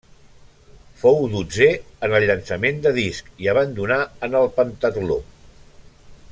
Fou dotzè en el llançament de disc i abandonà en el pentatló.